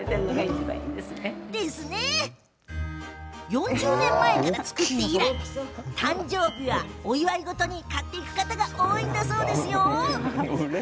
４０年前から作って以来誕生日やお祝い事に買っていく方が多いそうです。